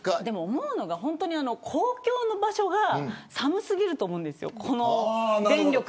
思うのが公共の場所が寒すぎると思うんですよ。